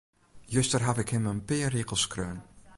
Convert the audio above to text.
Juster haw ik him in pear rigels skreaun.